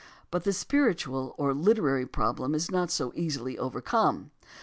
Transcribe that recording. But the spiritual or literary problem is not so easily overcome.